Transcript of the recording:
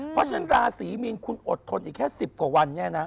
เพราะฉะนั้นราศีมีนคุณอดทนอีกแค่๑๐กว่าวันเนี่ยนะ